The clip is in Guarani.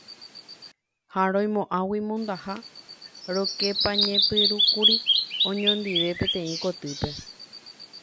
Ha roimo'ãgui mondaha rokepañepyrũkuri oñondive peteĩ kotýpe.